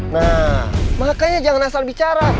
nah makanya jangan asal bicara